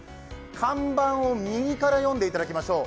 看板を右から読んでいただきましょう。